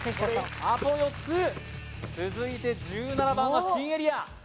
あと４つ続いて１７番は新エリア